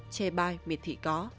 chê bai miệt thị có